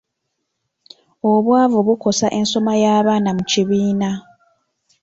Obwavu bukosa ensoma y'abaana mu kibiina.